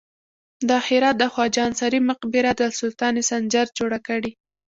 د هرات د خواجه انصاري مقبره د سلطان سنجر جوړه کړې